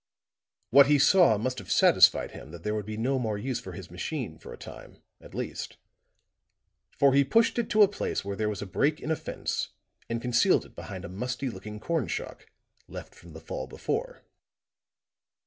What he saw must have satisfied him that there would be no more use for his machine for a time, at least; for he pushed it to a place where there was a break in a fence and concealed it behind a musty looking corn shock, left from the fall before.